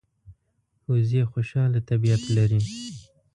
وزې خوشاله طبیعت لري